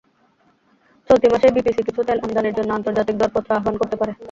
চলতি মাসেই বিপিসি কিছু তেল আমদানির জন্য আন্তর্জাতিক দরপত্র আহ্বান করতে পারে।